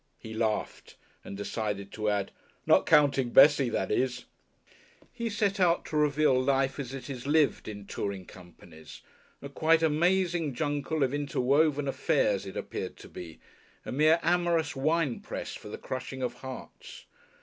He laughed and decided to add, "Not counting Bessie, that is." He set out to reveal Life as it is lived in touring companies, a quite amazing jungle of interwoven "affairs" it appeared to be, a mere amorous winepress for the crushing of hearts.